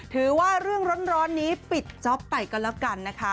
ถือว่าเรื่องร้อนนี้ปิดจ๊อปไปก็แล้วกันนะคะ